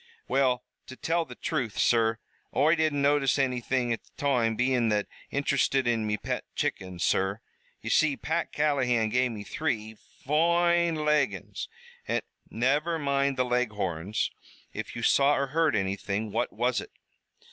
"Well, to tell the truth, sur, Oi didn't notice anythin' at the toime, bein' that interested in me pet chickens, sur. Ye see, Pat Callahan gave me three foine Leghorns, an' " "Never mind the Leghorns. If you saw or heard anything, what was it?"